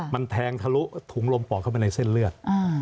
มันแทงทะลุถุงลมปอดเข้าไปในเส้นเลือด